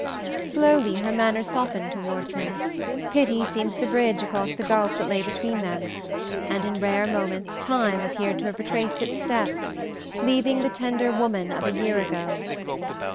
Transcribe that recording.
Slowly her manner softened toward him, pity seemed to bridge across the gulf that lay between them, and in rare moments time appeared to have retraced its steps, leaving the tender woman of a year ago.